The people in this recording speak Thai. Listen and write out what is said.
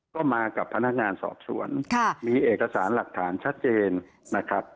ก็มากับพนักงานสอบสวนมีเอกสารหลักฐานชัดเจนนะครับ